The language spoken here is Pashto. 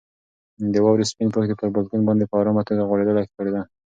د واورې سپین پوښ پر بالکن باندې په ارامه توګه غوړېدلی ښکارېده.